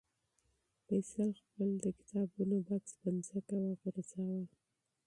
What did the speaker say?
فیصل خپل د کتابونو بکس په ځمکه وغورځاوه.